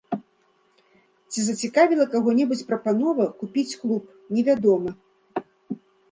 Ці зацікавіла каго-небудзь прапанова купіць клуб, невядома.